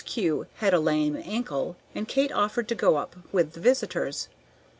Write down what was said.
Kew had a lame ankle, and Kate offered to go up with the visitors.